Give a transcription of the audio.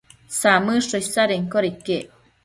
Samëdsho isadenquioda iquec